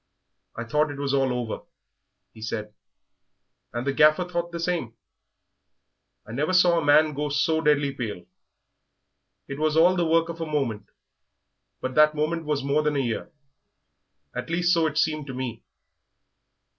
"I thought it was all over," he said, "and the Gaffer thought the same; I never saw a man go so deadly pale. It was all the work of a moment, but that moment was more than a year at least, so it seemed to me.